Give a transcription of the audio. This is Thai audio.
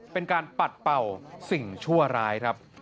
เป็นการปัดเป่าสิ่งชั่วร้ายครับ